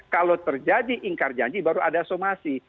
kalau terjadi ingkar janji baru ada somasi